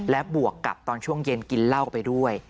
และบวกกับตอนช่วงเย็นกินเหล้าไปด้วย